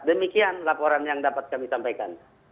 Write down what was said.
demikian laporan yang dapat kami sampaikan